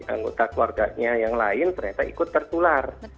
anggota keluarganya yang lain ternyata ikut tertular